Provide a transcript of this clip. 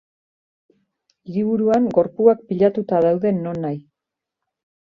Hiriburuan gorpuak pilatuta daude nonahi.